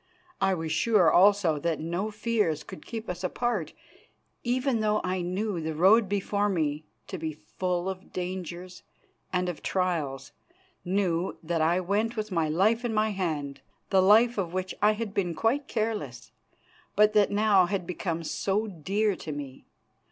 I was sure, also, that no fears could keep us apart, even though I knew the road before me to be full of dangers and of trials, knew that I went with my life in my hand, the life of which I had been quite careless, but that now had become so dear to me.